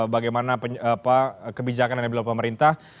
bagaimana kebijakan anabilal pemerintah